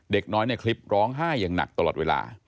เด็กน้อยในคลิปร้องไห้อย่างหนักตลอดเวลา